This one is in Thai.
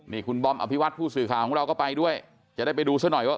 นี่คุณบอมอภิวัตผู้สื่อข่าวของเราก็ไปด้วยจะได้ไปดูซะหน่อยว่า